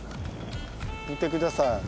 見てください。